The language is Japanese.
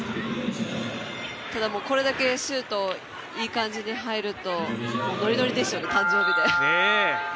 ただ、これだけシュートいい感じに入るとノリノリでしょうね、誕生日で。